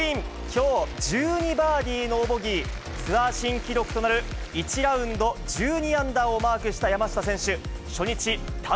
きょう１２バーディーノーボギー、ツアー新記録となる１ラウンド１２アンダーをマークした山下選手。